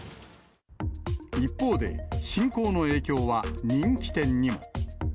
一方で、侵攻の影響は人気店にも。